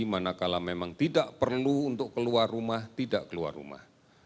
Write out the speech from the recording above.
manakala memang tidak perlu untuk keluar rumah tidak keluar rumah